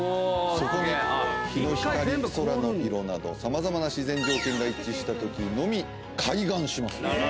そこに日の光空の色など様々な自然条件が一致したときのみ開眼します。